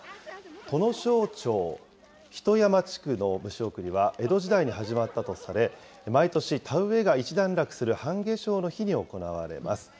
土庄町肥土山地区の虫送りは、江戸時代に始まったとされ、毎年、田植えが一段落する半夏生の日に行われます。